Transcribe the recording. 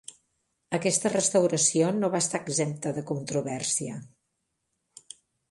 Aquesta restauració no va estar exempta de controvèrsia.